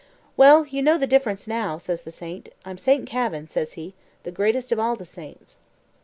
"Well, you know the difference now," says the saint. "I'm Saint Kavin," says he, "the greatest of all the saints."